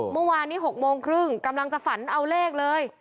เมื่อวานนี้๖โมงครึ่งกำลังจะฝันเอาเลขเลย